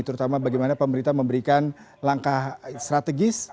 terutama bagaimana pemerintah memberikan langkah strategis